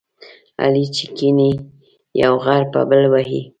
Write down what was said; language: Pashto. علي چې کېني، یو غر په بل وهي.